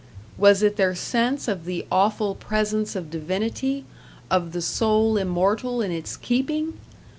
Was it their sense of the awful presence of divinity, of the soul immortal in its keeping?